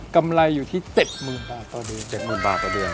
กำไรอยู่ที่๗๐๐๐๐บาทต่อเดือน